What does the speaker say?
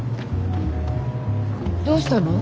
どうしたの？